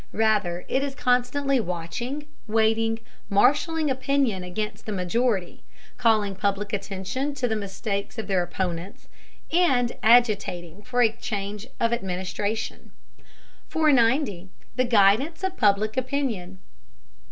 Rather, it is constantly watching, waiting, marshaling opinion against the majority, calling public attention to the mistakes of their opponents, and agitating for a change of administration. 490. THE GUIDANCE OF PUBLIC OPINION.